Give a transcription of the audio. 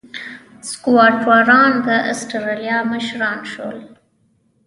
سکواټوران د اسټرالیا مشران شول.